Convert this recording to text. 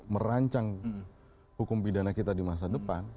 merancang hukum pidana kita di masa depan